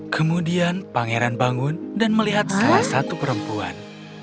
kemudian pangeran bangun dan melihat salah satu perempuan